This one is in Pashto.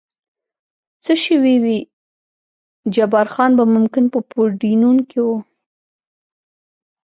څه شوي وي، جبار خان به ممکن په پورډینون کې و.